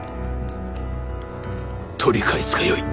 取り返すがよい。